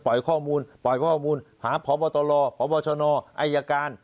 ปล่อยข้อมูลปล่อยข้อมูลหาพปตรพชไอยการ